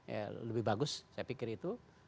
ya lebih bagus saya pikir itu